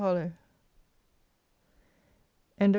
HARLOWE. END OF VOL.